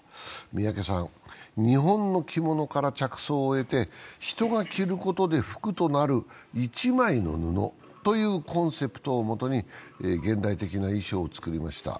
三宅さん、日本の着物から着想を得て人が着ることで服となる「一枚の布」というコンセプトをもとに現代的な衣装を作りました。